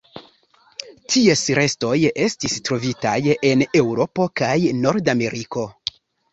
Ties restoj estis trovitaj en Eŭropo kaj Nordameriko.